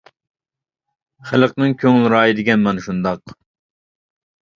خەلقنىڭ كۆڭۈل رايى دېگەن مانا شۇنداق.